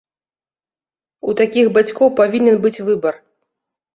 У такіх бацькоў павінен быць выбар.